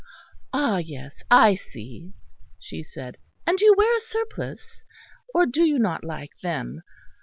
"Ah! yes; I see," she said, "and do you wear a surplice, or do you not like them?